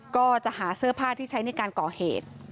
ก็จะหาเสื้อผ้าที่ใช้ในการก่อเหตุ